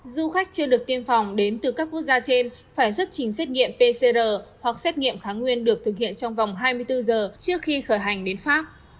du khách chưa được tiêm phòng đến từ các quốc gia trên phải xuất trình xét nghiệm pcr hoặc xét nghiệm kháng nguyên được thực hiện trong vòng hai mươi bốn giờ trước khi khởi hành đến pháp